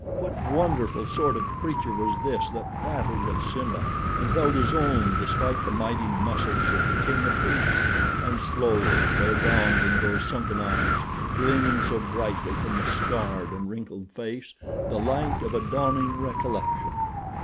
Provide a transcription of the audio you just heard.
What wonderful sort of creature was this that battled with Simba and held his own despite the mighty muscles of the king of beasts and slowly there dawned in those sunken eyes, gleaming so brightly from the scarred and wrinkled face, the light of a dawning recollection.